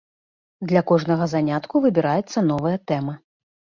Для кожнага занятку выбіраецца новая тэма.